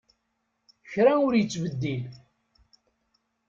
Kra ur yettbeddil.